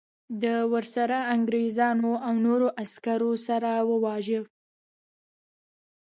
د ورسره انګریزانو او نورو عسکرو سره وواژه.